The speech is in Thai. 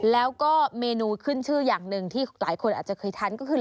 แล้วก็เมนูขึ้นชื่ออย่างหนึ่งที่หลายคนอาจจะเคยทานก็คือ